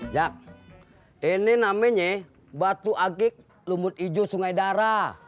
jak ini namanya batu agik lumut ijo sungai dara